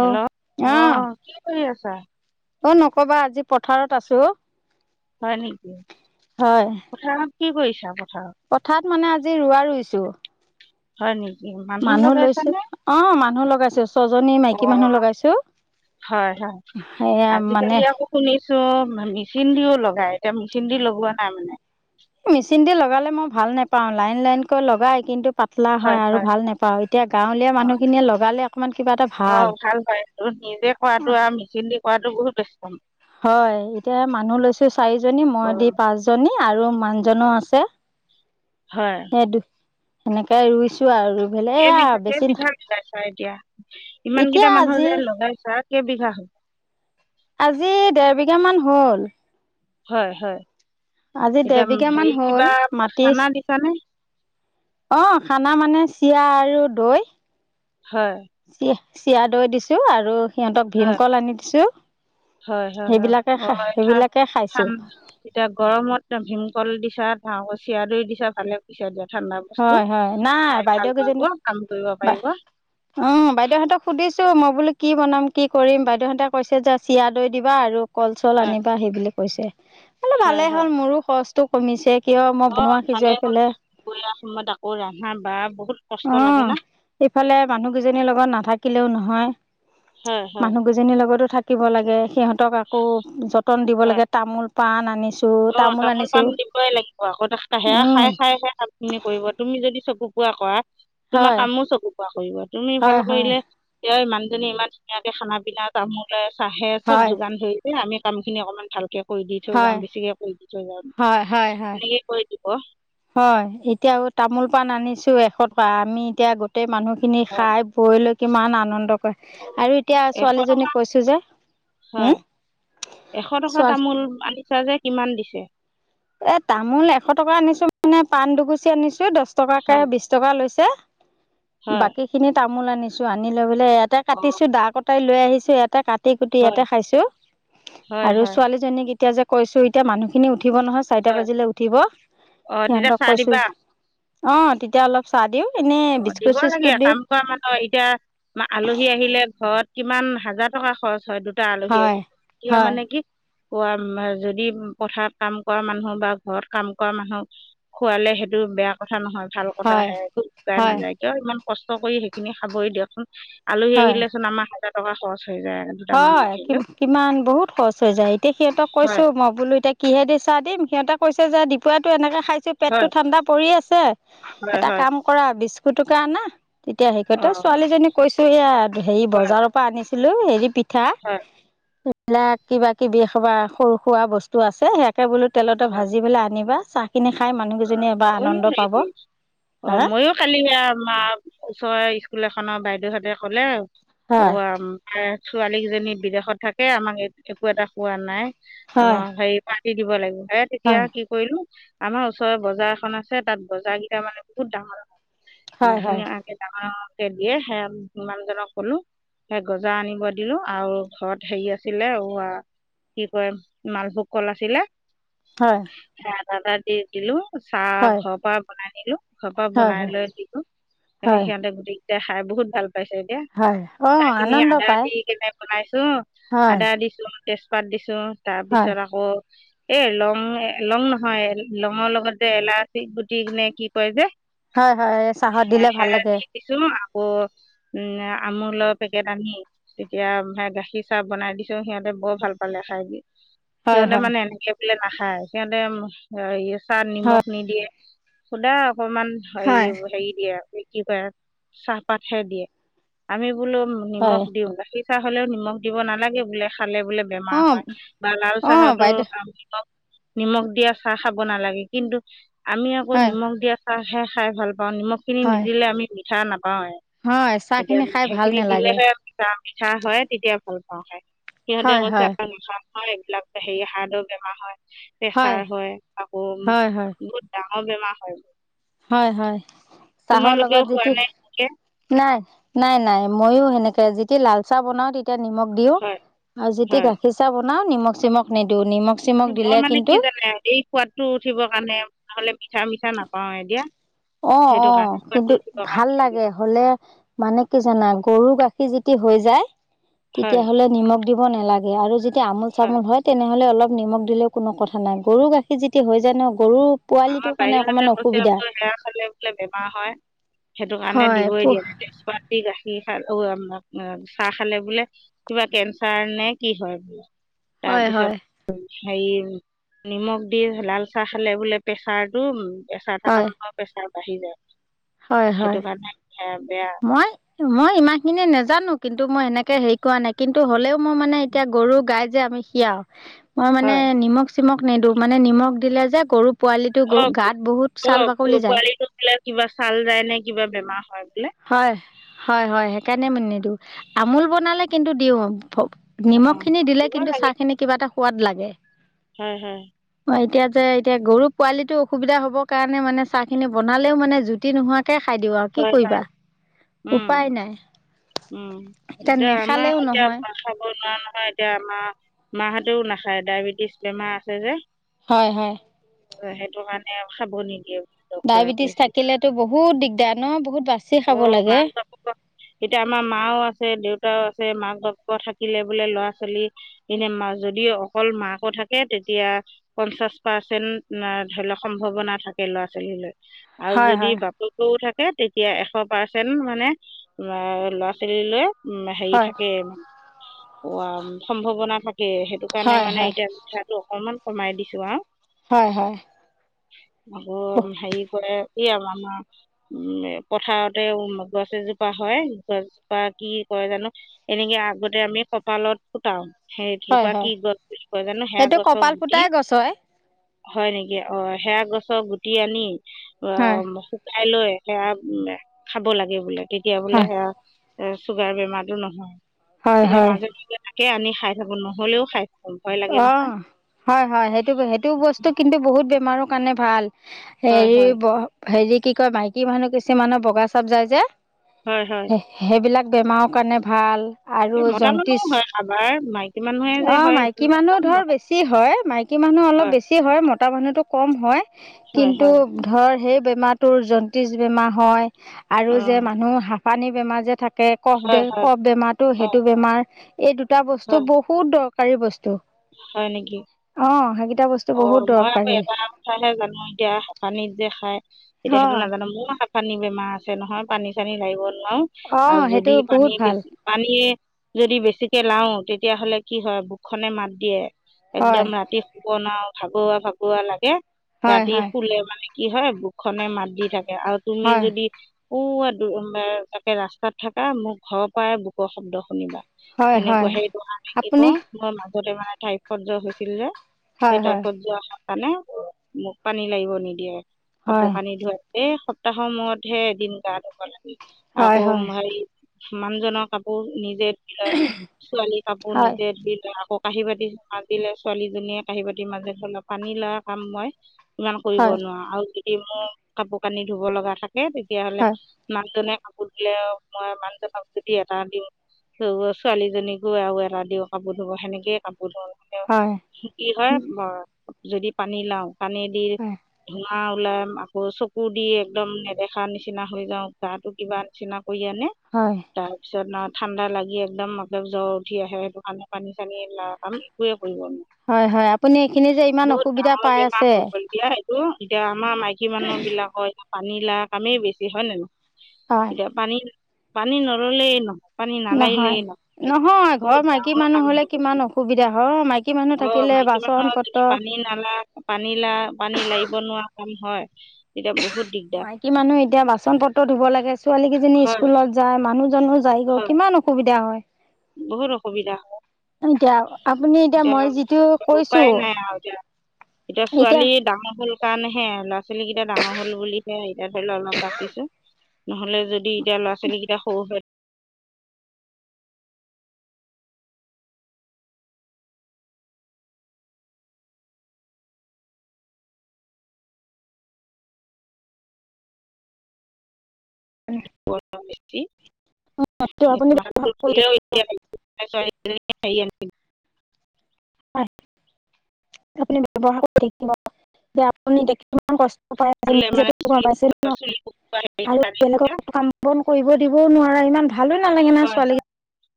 Hello আহ কি কৰি আছা? অ নকবা আজি পথাৰত আছো। হয় নেকি হয় পথাৰত কি কৰিছা পথাৰত? মানে আজি ৰোৱা ৰুইছো। হয় নি মানুহ লৈছো অ মানুহ লগাইছো ছজনী অ মাইকী মানুহ লগাইছো। হয় হয় সেয়া মানে আজিকালি আকৌ শুনিছো মেচিন দিও লগাই এতিয়া মেচিন দি লগোৱা নাই মানে। মেচিন দি লগালে মই ভাল নোপাওঁ, লাইন লাইনকৈ লগাই কিন্তু পাতলা হয় আৰু ভাল নোপাওঁ এতিয়া গাঁৱলীয়া মানুহখিনিয়ে লগালে অকণমান কিবা এটা অ ভাল পায় ত নিজে কৰাটো আৰু মিচিন দি কৰাটো বহুত ব্যষ্টম হয় এতিয়া মানুহ লৈছো চাৰি জনী অ মই দি পাঁচ জনী আৰু মানজনো আছ। এ [unintelligible] হয় সেনেকে ৰুইছো আৰু ৰুই পেলাই য়া কেইবিঘা বেছি ন কেইবিঘা লগাইছা এতিয়া ইমান কেইটা মানুহ যে লগাইছা কেইবিঘা হল। আজি দেৰ বিঘা মান হ'ল। হয় হয় আজি দেৰ এতিয়া বিঘা মান হেৰি হ'ল কিবা মাটি পখানা দিছানে? অ খানা মানে চিৰা আৰু দৈ। হ চি চিৰা দৈ দিছো, আৰু সিহঁতক হয় ভীমকল আনি দিছো। হয় হয় হয় সেইবিলাকে অ খাই এ সেইবিলাকে খাইছো এতিয়া গৰমত ভীমকল দিছা ধওঁ গ চিৰা দৈ দিছা ভালে কৰিছা দিয়া। ঠাণ্ডা বস্তু হয় হয় নাই খাই ভাল বাইদেউ কেইজনী পাব কাম কৰিব বা পাৰিব। অ বাইদেউ সিহতক সুধিছো। ছো মই বোলো কি বনাম কি কৰিম বাইদেউহঁতে কৈছে যে চিয়া দৈ দিবা আৰু কল চল হয়, আনিবা সি বুলি কৈছে। বুলু হয়, ভালে হয়। হ'ল মোৰো খৰচটো কমিছে। কিয় মই বনোৱা সিজুৱাই পেলাই, অ আহা বা অ ইফালে মানুহ কেইজনীৰ লগত নাথাকিলেও নহয়। হয়, হয়, মানুহ গোজনীৰ লগতো থাকিব লাগে সিহঁতক আকৌ যতন দিব হয়। লাগে তামোল পান আনিছে অ তামোল পাণ দিবই লাগিব আকৌ সেয়া খাই খাই সে কাম খিনি কৰিব তুমি যদি চকু পোৱা কৰা তোমা হয় কামো চকু পোৱা কৰিব তুমি ভাল হয় হয় কৰিলে ইয়ই মানুহজনী ইমান ধুনীয়াকে খানা পিনা তামোলে চাহে চব হয় যোগান ধৰিছে আমি কাম খিনি অকমান ভালকে কৰি দি থৈ যাম হয় বেছিকে কৰি দি থৈ হয় হয় হয় তেনেকে কয়ি দিব। হয় এতিয়াও তামোল পাণ আনিছোঁ এশ টকা আমি এতিয়া গোটেই মানুহখিনি হয় খাই বৈ লৈ কিমান আনন্দ আৰু এতিয়া এশ ছোৱালীজনীক কৈছোঁ যে, হয় উম এশ টকা ছোৱালী তামোল আনিছা যে কিমান দিছে? এ তামোল এশ টকা আনিছো মানে পাণ দুগূছি আনিছো দছ টকাকে হয় বিশ টকা লৈছে। হয় বাকী খিনি তামোল আনিছো আনি লৈ পেলাই ইয়াতে অ কাটিছো দা কটাই ল লৈ আহিছোঁ ইয়াতে কাটি কুটি হয় ইয়াতে খাইছো হয় আৰু হয় ছোৱালীজনী এতিয়া যে কৈছোঁ এতিয়া মানুহখিনি উঠিব নহয় চাৰিটা হয় বাজিলে উঠিব অ তেতিয়া সিহঁতক চাহ কৈছোঁ দিবা যে অ তেতিয়া অলপ চাহ দিওঁ অ দিব লাগে কাম কৰা মানুহ এতিয়া আলহী আহিলে ঘৰত কিমান হাজাৰ টকা খৰচ হয় দুটা আলহী হয় আহিলে, এয়া হয় মানে কি খোৱা যদি পথাৰত কাম কৰা মানুহ বা ঘৰত কাম কৰা মানুহ খোৱালে সেইটো সেইটো বেয়া কথা নহয় ভাল কথা হয় হে একো শুকাই হয় নাযায় কিয় ইমান কষ্ট কৰি সেইখিনি খাবই দিয়কচোন আলহী হয় আহিলেচোন আমাৰ হাজাৰ টকা খৰচ হৈ যায় দুটামান হয় কি আহিলে কিমান বহুত খৰচ হৈ যায় এতিয়া সিহঁতক হয় কৈছোঁ মই বোলো এতিয়া কিহে দি চাহ দিম সিহঁত কৈছে যে দুপৰীয়াটো এনেকে খাইছো পেট হয় টো ঠাণ্ডা পৰি আছে হয় এটা হয় কাম কৰা বিস্ ফুটুকা আনা তেতিয়া সেই অঁ ছোৱালীজনীক কৈছো এয়া হেৰি হয় বজাৰৰ পৰা আনিছিলো হেৰি পিঠা হয় এইবিলাক কিবা কিবি সবা সৰু সুৰা বস্তু আছে সে য়াকে বোলো তেলতে হয় ভাজি পেলাই আনিবা চাহ অ হা ময়ো কালি সেয়া মা ওচৰে স্কুল এখন খন বাইদেউহঁতে ক'লে, হয় হৌৱা ছোৱালীকেইজনী বিদেশত থাকে আমাক একো এটা খোৱা নাই আমা হয় হেৰি দিব লাগিব হে তেতিয়া হয় কি কৰিলো আমা ওচ ওচৰ বজাৰ এখন আছে তাত বজাৰ কেইটামান মানে বহুত ডাঙৰ হয় ডাঙৰ ধুনীয়াকে ডাঙৰ ডাঙৰ দিয়ে সে মানুহজনক কলো হে গজা আনিব দিলো আৰু ঘৰত হেৰি আছিলে, অ আ কি কয় মালভোগ কল আছিলে হয় এটা সেয়া এটা দি দিলো চাহ হয় ঘৰৰ পৰা বনাই নিলো। ঘৰ পৰা হয় বনাই লৈ দিলো হয় হয় সিহঁতে গোটেইকেইটাই খাই বহুত ভাল পাইছে এতিয়া হয় অঁ চাহ খিনি আনন্দ আদা পায় দি কেনে বনাইছো হয় আদা দিছোঁ তেজপাত দিছোঁ হয় তাৰপিছত আকৌ এ লং লং নহয় লঙৰ লগতে এলাচী গুটি নে কি কয় যে হয় হয় এই চাহত সে দিলে ভাল সেয়া লাগে দি দিছোঁ। আকৌ উম আমুল পেকেট আনি তেতিয়া গাখীৰ চাহ বনাই দিছোঁ সিহঁতে বৰ ভাল পালে খাই দি হয় সিহঁতে হয় মানে এনেকে বোলে নাখায় সিহঁতে চাহ হয় নিমখ নিদিয়ে সুদা অকমান হেই হয় হেৰী দিয়ে কি কয় চাহপাতহে দিয়ে আমি বোলো হয় নিমখ দিওঁ গাখীৰ চাহ হ'লেও নিমখ দিব নালাগে বোলে খালে বোলে বেমাৰ অঁ হয় বা লাল অঁ চাহতো বাইদেউ নি নিমখ দিয়া চাহ খাব নালাগে কিন্তু আমি আকৌ হয় নিমখ দিয়া চাহহে খাই ভাল পাওঁ নিমখ খিনি হয় নিদিলে আমি মিঠা নাপ ওৱে হয় এতিয়া চাহখিনি খাই ভাল সেইখিনি নালাগে দিলেহে মিঠা মিঠা হয় তেতিয়া ভাল পাওঁ খাই সিহঁতে হয় কৈছে হয় আমা, এইবিলাক হেৰি হাৰ্ডৰ বেমাৰ হয় প্ৰেছাৰ হয় আকৌ হয় হয় বহুত ডাঙৰ বেমা হয় হয়, হয়। চাহৰ লগত তোমালোকেও খোৱা যদি নাই এনেকে নাই, নাই, নাই। ময়ো সে যেতি লাল চাহ বনাও তেতিয়া নিমখ দিও হয় আৰু যেতি হয় গাখীৰ চাহ ব নাও নিমখ চিমখ নিদিওঁ। নিমখ চিমখ মই দিলে মানে কিন্তু কি জানে? এই সোৱাদটো উঠিবৰ কাৰণে নহলে মিঠা-মিঠা নাপাও এতিয়া। অ, সেইটো অ। কাৰণে সোৱাদটো কিন্তু উঠিবৰ ভাল কাৰণে দিওঁ লাগে হলে। মানে কি জানে? গৰু গাখীৰ যদি হৈ যায় হয় তেতিয়াহলে নিমখ দিব নেলাগে আৰু য আমোল চামোল হয় তেনেহলে অলপ নিমখ দিলেও কোনো কথা নাই। গৰু গাখীৰ যদি হৈ যায় ন গৰু পোৱালিটোৰ কাৰণে অকমান অসুবিধা ফালে বোলে বেমাৰ হয়। সেইটো কাৰণে হয় দিবই পু দিয়া নাই। এতিয়া ছোৱালী গাখীৰ খা কি খ অ চাহ খালে বোলে কিবা কেঞ্চাৰ নে কি হয়। হয় তাৰপিছত হয় হেৰি নিমখ দি লাল চাহ খালে বোলে প্ৰেছাৰটো উ প্ৰেছাৰ থকা হয় মানুহৰ প্ৰেছাৰ বাঢ়ি যায়। হয় হয় সেইটো কাৰণে সেয়া বেয়া মই মই ইমান খিনি নাজানো কিন্তু মই সেনেকে হেৰি কৰা নাই কিন্তু হ'লেও মই মানে এতিয়া গৰু গাই যে আমি খিয়াও মই মানে হয় নিমখ চিমখ নিদিওঁ। মানে নিমখ দিলে যে গৰু পোৱালিটো অ গাত বহুত অ ছাল বাকলি যায়। পোৱালিটো বোলে কিবা ছাল যায় নে কিবা বেমাৰ হয়। বোলে হয়। হয়, হয়। সেইকাৰণে মই নিদিওঁ আমুল বনালে কিন্তু দিওঁ। অ নিমখ খিনি দিলে দিব কিন্তু চাহ খিনি কিবা এটা সোৱাদ লাগে। হম হু। এতিয়া যে এতিয়া গৰু পোৱালিটো অসুবিধা হ'ব কাৰণে মানে চাহখিনি বনালেও মানে জুতি নোহোৱা তাকে খাই দিওঁ আৰু কি হয় হয় কৰিবা? উম উপায় নাই। উম এতিয়া নেখালেও আমাৰ এতিয়া নহয়। খাব নোৱাৰা নহয়। এতিয়া আমাৰ মাহঁতেও নাখায় ডায়েবেটিছ বেমাৰ আছে যে। হয়, হয়। সেইটো কাৰণে আ খাব নিদিয়ে। ডক্তৰে ডায়েবেটিছ কৈছিল থাকিলেতো বহুত দিগদাৰ ন? বহুত বাচি খাব অ', লাগে। মাক বাপেকৰ এতিয়া আমাৰ মাও আছে, দেউতাও আছে। মাক-বাপেক থাকিলে বোলে ল'ৰা ছোৱালী এনো যদি অকল মাকো থাকে তেতিয়া পঞ্চাছ পাৰ্চেন্ট ধৰি লওক সম্ভাৱনা থাকে। থাকে ল'ৰা ছোৱালী লৈ আৰু হয় যদি হয় বাপেকেও থাকে তেত তিয়া এশ পাৰ্চেণ্ট মানে ল'ৰা ছোৱালীলৈ উম হেৰি হয়। থাকে মান, অ সম্ভাৱনা থাকে। কে, সেইটো কাৰণে হয় মানে হয় এতিয়া মিঠাটো অকনমান কমাই দিছো আও। হয়, হয়। আকৌ হেৰি কৰে, এই আৰু আমাৰ উম পথাৰতে উ গছ এজোপা হয়। গছজোপা কি কয় জানো এনেকে আগতে আমি কঁপালত ফুটাও। হয় সেইজোপা হয় কি গছ কয় জানো সেই সেইটো গছজোপা কপাল গুটি, ফুটাই গছ হয়। হয় নেকি? অ সেয়া গছৰ গুটি আনি অ হয় শুকাই লৈ সেয়া উ খাব লাগে বোলে। তেতিয়া বোলে হয়। হেয়া চুগাৰ বেমাৰটো নহয়। হয় এতিয়া হয় মাজে মাজে তাকে আনি খাই থাকো। নহ'লেও খাই থাকো। অ হয়, হয়। সেইটো সেইটো বস্তু কিন্তু বহুত বেমাৰৰ কাৰণে ভাল। হয় হেৰি হয় ব হেৰি কি কয় মাইকী মানুহ কিছুমানৰ বগা চাপ যায় হয় হয় যে। সেইবিলাক বেমাৰৰ কাৰণে ভাল এই আৰু মতা মানুহ জন্তিছ হয় কাৰবাৰ মাইকী মানুহে যে অ হয় সেইটো মাইকী মানুহ নাজানো ধৰ মতা বেছি হয় মাইকী মানুহ অলপ বেছি হয় মত তা মানুহৰটো কম হয়। হয় কিন্তু হয় ধৰ সেই বেমাৰটোৰ জন্তিজ বেমাৰ হয় আৰু অঁ যে মানুহ হাঁফানি বেমাৰ যে থাক থাকে। কফ দে হয় হয় কফ বেমাৰটো হয় সেইটো বেমাৰ এই দুটা বস্তু হয় বহুত দৰকাৰী বস্তু। হয় নেকি? অ সেইকেইটা বস্তু অ বহুত মই আকৌ দৰকাৰী এটা কথাহে জানো এতিয়া পানীত যে খাই তেতিয়া অ সেইটো নাজানো মোৰ চাফানি বেমাৰ আছে নহয় পানী চানী লাগিব অ [unintelligible] আৰু সেইটো যদি পানী বহুত ভাল বেছি পানীয়ে যদি বেছিকে লাও তেতিয়াহলে কি হয় বুকোখনে মাত দিয়ে [unintelligible] একদম হয় ৰাতি শুবনাও ভাগুৱা ভাগুৱা লাগে হয় ৰাতি হয় শুলে মানে [unintelligible] কি হয় বুকখনে মাত দি থাকে আৰু তুমি হয় যদি [unintelligible] পু তাকে ৰাস্তাত থাকা মোক ঘৰৰ পৰাই বুকৰ শব্দ শুনিবা [unintelligible] হয় সেনেকুৱা হয় সেইটো কাৰণে কি ক আপুনি মই মাজতে মানে ঠাই স্জ হৈছিল যে [unintelligible] সেই হয় হয় টাইপত যোৱা হয় কাৰণে মোক পানী লাগিব নিদিয়ে কাপোৰ হয় কানি ধোৱাই [unintelligible] এই সপ্তাহৰ মূৰতহে এদিন গা ধুব লাগে হয় আকৌ হয় হেৰি মানুহ জনৰ কাপোৰ নিজে ধোই লয় ছোৱালী কাপোৰ হয় নিজে দি লয় আকৌ কাহী বাতি [unintelligible] মাজিলে ছোৱালীজনীয়ে কাঁহি বাতিৰ মাজে ধলপ পানী লোৱা কাম মই [unintelligible] ইমান কৰিব হয় নোৱাৰো আৰু যদি মোৰ কাপোৰ কানি ধুব লগা থাকে তেতিয়াহ'লে হয় মানু জনে [unintelligible] কাপোৰ দিলে মই মানুহ ভাবদি এটা দিম [unintelligible] ছোৱালীজনী গৈ আৰু এৰা দিও কাপোৰ ধুব সেনেকে কাপোৰ হয় কি হয় যদি পানী লাও পানী দি ধ হয় [unintelligible] হাহ ওলাই আকৌ চকু দি একদম নেদেখা নিচিনা হৈ যাওঁ গা কিবা নিচিনা [unintelligible] ক আনে হয় তাৰপিছত ন [unintelligible] ঠাণ্ডা লাগি একদম ম জ্বৰ উঠি আহে সেইটো কাৰণে পানী চানী ল আমি একোৱে ন হয় হয় আপুনি এইখিনি যে ইমান বহুত অসুবিধা ডাঙৰ পাই বেমাৰ আছে হ প দয়া [unintelligible] ত এতিয়া আমাৰ মাইকী মানুহ বিলাকৰ এ পানী ললা কামেই বেছি হয় নোনো [unintelligible] হয় এতিয়া পানী পানী নললেই নহয় পানী নহয় নালাগিলেই ন নহয় ঘৰৰ বহুত মাইকী ডাঙৰ মানুহ হ'লে কামছিল কিমান [unintelligible] অসুবিধা হয় মাইকী মানুহ অ থাকিলে মাইকী বাচন মানুহৰ পত্ৰ যদি পানী নালা পানী লা পানী লাগিব নোৱাৰা [unintelligible] অম হয় তেতিয়া বহুত দিগদাৰ মাইকী মানুহ এতিয়া বাচন পত্ৰ ধুব লাগে ছোৱালী কেইজনী হয় স্কুলত যায় মানুহ জানো যায়গে হয় কিমান অসুবিধা হয় বহুত অসুবিধা হয় এতিয়া আপুনি এতিয়া মই যিটো উপ কৈছো উপায় নাই আৰুতো এতিয়া ছোৱালী ডাঙৰ হল কাৰনেহে ল'ৰা ছোৱালী কেইটা ডাঙৰ হ'ল বুলিহে এতিয়া ধৰি লও অলপ বাচিছো নহলে যদি এতিয়া ল'ৰা ছোৱালী কেইটা সৰু হয় [inaudible] আপুনি মানে ব্যৱহাৰ কৰি দেখিলেও থাকিব হয় আপুনি ব্যৱহাৰ কৰি থাকিব যে আপুনি এতি কিমান কষ্ট নি ধুলে মানে গম পাইছে ন চুলি শুকুৱাই আৰু হেৰি বেলেগক কাম বন কৰিব দিবও নোৱাৰো [unintelligible] ইমান ভালো নালাগে ন হয় হয় ছোৱালীকেই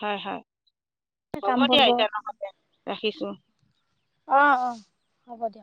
হয় হয় হ'ব দিয়া এতিয়া লগতে ৰাখিছো অ', অ', হ'ব দিয়া।